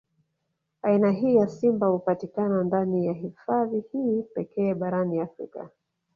Aina hii ya simba hupatikana ndani ya hifadhi hii pekee barani Afrika